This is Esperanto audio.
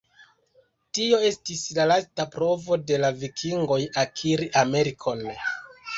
Tio estis la lasta provo de la vikingoj akiri Amerikon.